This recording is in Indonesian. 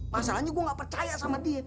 masalahnya gue gak percaya sama dia